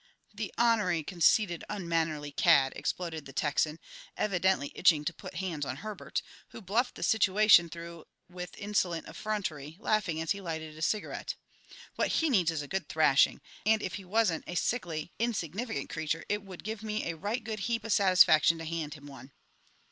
"The onery, conceited, unmannerly cad!" exploded the Texan, evidently itching to put hands on Herbert, who bluffed the situation through with insolent effrontery, laughing as he lighted a cigarette. "What he needs is a good thrashing, and, if he wasn't a sickly, insignificant creature, it would give me a right good heap of satisfaction to hand him one."